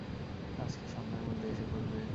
আজকে সন্ধ্যার মধ্যে এসে পড়বে।